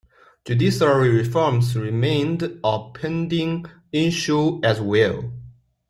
Judiciary reforms remained a pending issue as well.